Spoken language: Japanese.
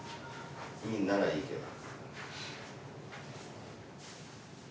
いいんならいいけど。